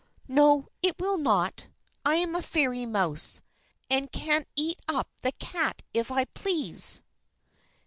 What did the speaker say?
"No, it will not; I am a fairy mouse, and can eat up the cat if I please."